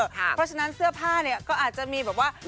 เพราะฉะนั้นเสื้อผ้าเนี่ยก็อาจจะมีแบบว่า